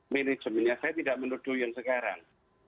management nya saya tidak menuduh yang sekarang